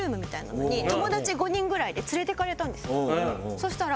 そしたら。